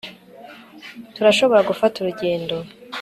Turashobora gufata urugendo